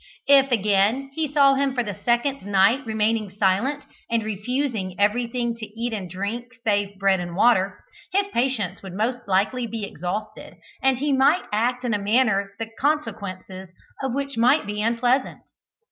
If again, he saw him for the second night remaining silent and refusing everything to eat and drink save bread and water, his patience would most likely be exhausted, and he might act in a manner the consequences of which might be unpleasant.